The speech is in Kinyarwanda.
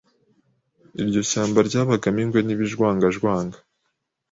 Iryo shyamba ryabagamo ingwe n’ibijwangajwanga